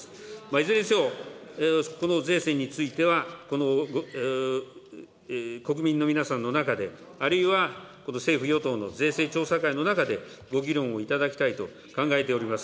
いずれにせよ、この税制についてはこの国民の皆さんの中で、あるいは政府・与党の税制調査会の中でご議論をいただきたいと考えております。